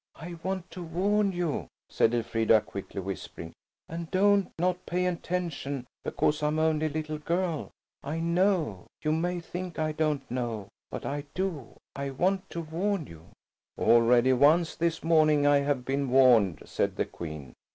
"I want to warn you," said Elfrida, quickly whispering, "and don't not pay attention because I'm only a little girl. I know. You may think I don't know, but I do. I want to warn you–" "Already once, this morning I have been warned," said the Queen.